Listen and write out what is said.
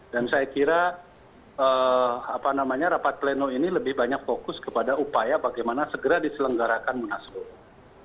dan saya kira rapat pleno ini lebih banyak fokus kepada upaya bagaimana segera diselenggarakan munaslup